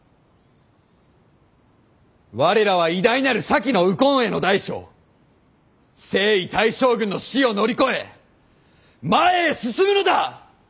我らは偉大なる先の右近衛大将征夷大将軍の死を乗り越え前へ進むのだ！